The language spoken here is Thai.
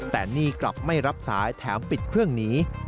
แต่นี่กลับไม่รับสายแถมปิดเครื่องหนี